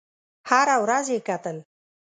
هره ورځ یې کتل.